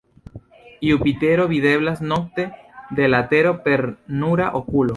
Jupitero videblas nokte de la Tero per nura okulo.